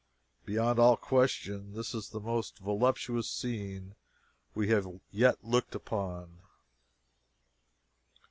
Beyond all question, this is the most voluptuous scene we have yet looked upon.